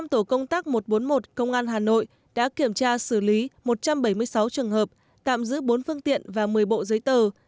năm tổ công tác một trăm bốn mươi một công an hà nội đã kiểm tra xử lý một trăm bảy mươi sáu trường hợp tạm giữ bốn phương tiện và một mươi bộ giấy tờ